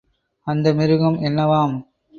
அந்த மிருகம் என்னவாம்?